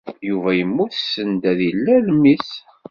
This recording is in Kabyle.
Yuba yemmut send ad d-ilal mmi-s.